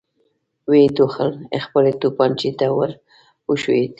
ويې ټوخل، خپلې توپانچې ته ور وښويېد.